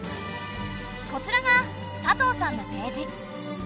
こちらが佐藤さんのページ。